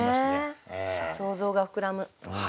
想像が膨らむ。